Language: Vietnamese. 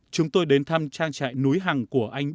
chúng tôi đến thăm trang trại núi hằng của anh